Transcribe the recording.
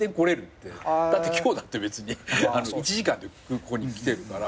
だって今日だって別に１時間でここに来てるから。